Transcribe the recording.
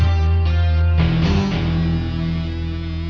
sampai jumpa lagi